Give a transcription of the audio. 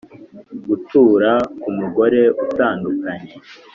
gutura ku mugore utandukanye;